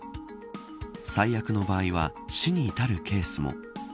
最悪の場合は死に至るケースも。